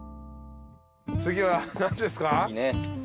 次は何ですか？